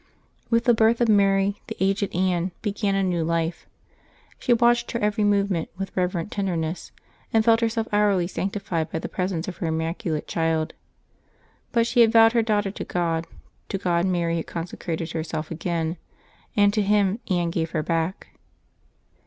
With the birth of Mary the aged Anne began a new life: she watched her eveiy movement with reverent ten derness, and felt herself hourly sanctified by the presence of her immaculate child. But she had vowed her daughter to God, to God Mary had consecrated herself again, and to Him Anne gave her back.